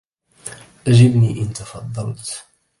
أجبني إن تفضلت